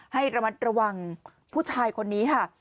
ให้ระมัดระวังผู้ชายคนนี้ค่ะ